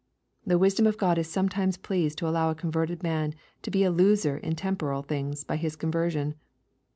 The wisdom of God is sometimes pleased to allow a converted man to be a loser in temporal things by his conversion.